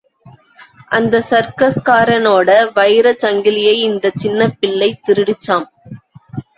அந்த சர்க்கஸ்காரனோட வைரச் சங்கிலியை இந்தச் சின்னப் பிள்ளை திருடிடுச்சாம்.